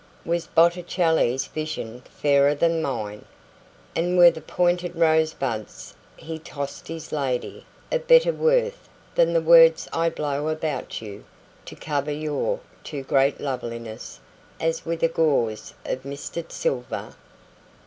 Was Botticelli's visionFairer than mine; And were the pointed rosebudsHe tossed his ladyOf better worthThan the words I blow about youTo cover your too great lovelinessAs with a gauzeOf misted silver?